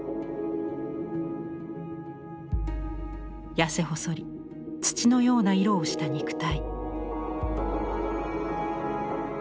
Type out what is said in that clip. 痩せ細り土のような色をした肉体。